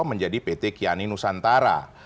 menjadi pt kiani nusantara